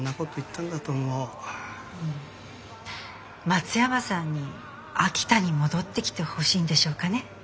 松山さんに秋田に戻ってきてほしいんでしょうかね。